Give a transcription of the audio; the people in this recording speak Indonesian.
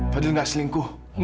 fadil gak selingkuh